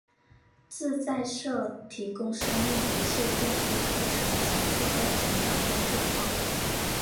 自在社提供生命领袖证书课程及自在成长工作坊。